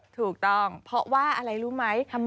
ถูกต้องเพราะว่าอะไรรู้ไหม